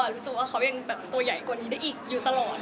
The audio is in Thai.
รู้สึกว่าเขายังแบบตัวใหญ่กว่านี้ได้อีกอยู่ตลอด